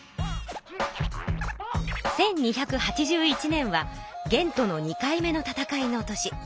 １２８１年は元との２回目の戦いの年。